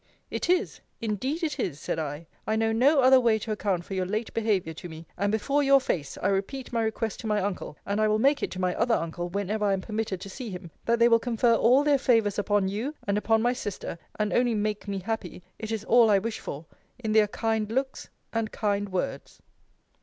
It is, indeed it is, said I: I know no other way to account for your late behaviour to me: and before your face, I repeat my request to my uncle, and I will make it to my other uncle whenever I am permitted to see him, that they will confer all their favours upon you, and upon my sister; and only make me happy (it is all I wish for!) in their kind looks, and kind words.